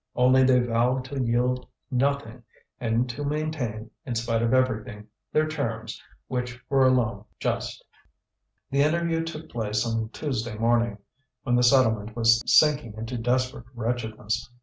Only they vowed to yield nothing and to maintain, in spite of everything, their terms, which were alone just. The interview took place on Tuesday morning, when the settlement was sinking into desperate wretchedness.